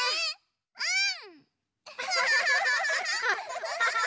うん！